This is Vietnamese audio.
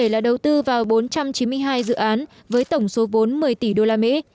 đã đầu tư vào bốn trăm chín mươi hai dự án với tổng số bốn mươi tỷ đô la mỹ